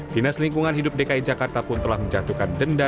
dinas lingkungan hidup dki jakarta pun telah menjatuhkan denda